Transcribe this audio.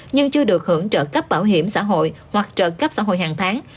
nhưng chưa được hưởng trợ cấp bảo hiểm xã hội hoặc trợ cấp xã hội hàng tháng